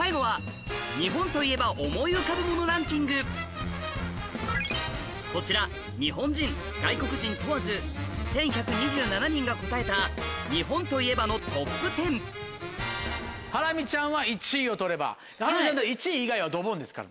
最後はこちら日本人外国人問わず１１２７人が答えた「日本といえば」のトップ１０ハラミちゃんは１位を取ればハラミちゃんだから。